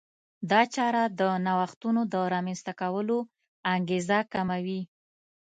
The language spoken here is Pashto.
دا چاره د نوښتونو د رامنځته کولو انګېزه کموي.